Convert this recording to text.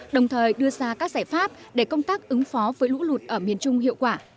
đồng thời đưa ra các giải pháp để công tác ứng phó với lũ lụt ở miền trung hiệu quả